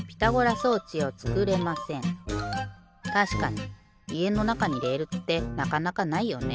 たしかにいえのなかにレールってなかなかないよね。